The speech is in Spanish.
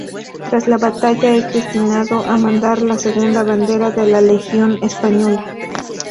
Tras la batalla es destinado a mandar la segunda Bandera de la Legión Española.